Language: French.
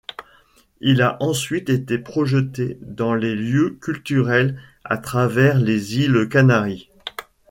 Il a ensuite été projeté dans des lieux culturels à travers les îles Canaries.